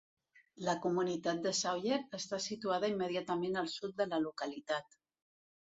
La comunitat de Sawyer està situada immediatament al sud de la localitat.